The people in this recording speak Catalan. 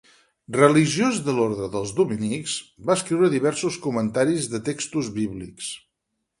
Religiós de l'orde dels dominics, va escriure diversos comentaris de textos bíblics.